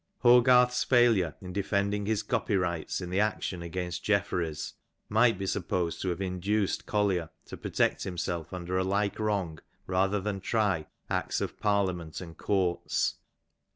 Hogarth's failure in defending his copy rights in the action against Jeffereys might be supposed to have induced Collier to protect himself under a like wrong rather than try Acts of Parliament and Courts.